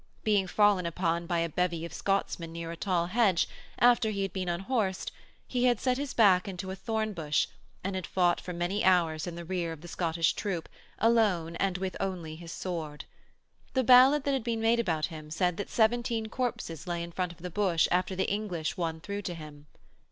Being fallen upon by a bevy of Scotsmen near a tall hedge, after he had been unhorsed, he had set his back into a thorn bush, and had fought for many hours in the rear of the Scottish troop, alone and with only his sword. The ballad that had been made about him said that seventeen corpses lay in front of the bush after the English won through to him.